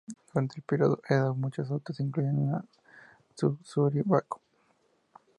Durante el período Edo, muchas dotes incluían una Suzuri-bako.